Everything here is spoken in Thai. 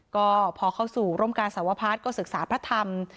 ก็พอเข้าสู่ร่มการสวพัฒน์ก็ศึกษาพระธรรม